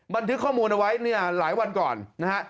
บันทึกข้อมูลเอาไว้เนี่ยหลายวันก่อนนะฮะ